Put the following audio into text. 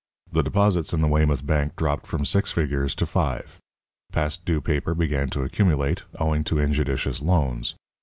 The deposits in the Weymouth Bank dropped from six figures to five. Past due paper began to accumulate, owing to injudicious loans.